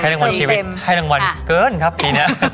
รางวัลชีวิตให้รางวัลเกินครับปีนี้